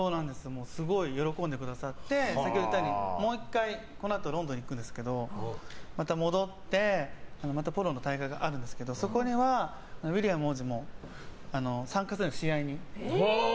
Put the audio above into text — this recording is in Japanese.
すごい喜んでくださって先ほど言ったようにもう１回、このあとロンドンに行くんですけどまた戻って、またポロの大会があるんですけどそこにはウィリアム王子も参加するんです、試合に。